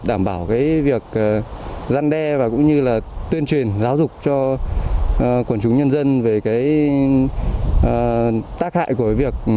đảm bảo việc gian đe và cũng như là tuyên truyền giáo dục cho quản chúng nhân dân về tác hại của việc